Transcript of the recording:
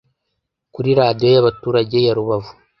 kuri Radiyo y’abaturage ya Rubavu,